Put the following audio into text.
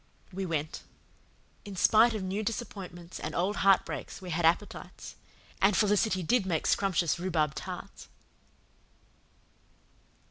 We went. In spite of new disappointments and old heartbreaks we had appetites. And Felicity did make scrumptious rhubarb tarts!